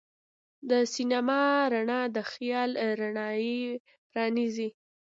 د سینما رڼا د خیال نړۍ پرانیزي.